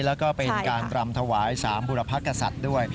แล้วก็เป็นการรำถวาย๓บุรพกษัตริย์ด้วย